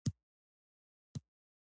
د ګټې بیه د پانګوال لپاره ډېر ارزښت لري